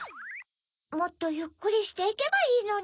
もっとゆっくりしていけばいいのに。